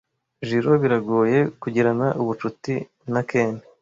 Jiro biragoye kugirana ubucuti na Ken.